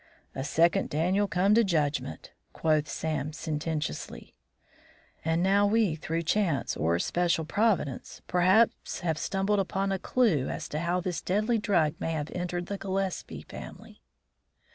"A second Daniel come to judgment," quoth Sam, sententiously. "And now we, through chance or special providence, perhaps, have stumbled upon a clue as to how this deadly drug may have entered the Gillespie family."